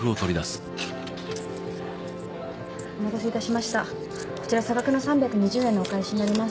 お待たせいたしましたこちら差額の３２０円のお返しになります